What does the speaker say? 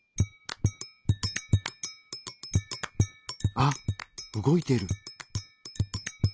あっ動いてる！